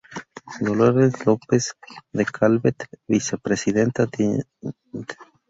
Dolores López de Calvet, vicepresidenta; Dña.